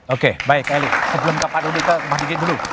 oke baik elie sebelum pak suriadi ke pak suriadi dulu